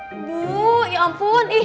ibu ya ampun